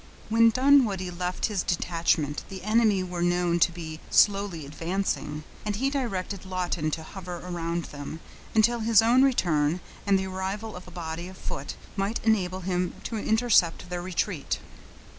When Dunwoodie left his detachment, the enemy were known to be slowly advancing, and he directed Lawton to hover around them, until his own return, and the arrival of a body of foot, might enable him to intercept their retreat.